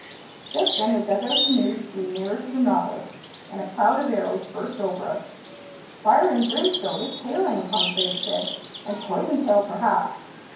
Just then the dugout canoes drew nearer to the Nautilus, and a cloud of arrows burst over us. "Fire and brimstone, it's hailing!" Conseil said. "And poisoned hail perhaps!"